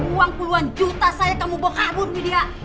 uang puluhan juta saya kamu bawa kabur widya